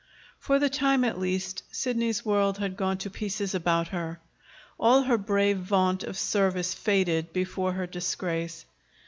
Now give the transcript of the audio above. For the time at least, Sidney's world had gone to pieces about her. All her brave vaunt of service faded before her disgrace.